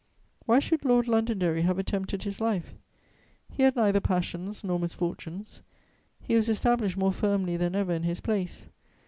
"Why should Lord Londonderry have attempted his life? He had neither passions nor misfortunes; he was established more firmly than ever in his place.